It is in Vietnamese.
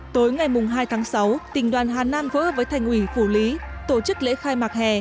tối ngày hai tháng sáu tỉnh đoàn hà nam phối hợp với thành ủy phủ lý tổ chức lễ khai mạc hè